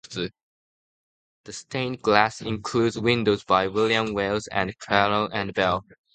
The stained glass includes windows by William Wailes and Clayton and Bell.